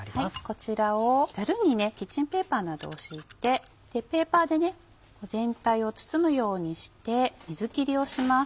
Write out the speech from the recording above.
こちらをザルにキッチンペーパーなどを敷いてペーパーで全体を包むようにして水きりをします。